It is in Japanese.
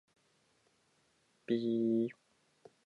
うんこ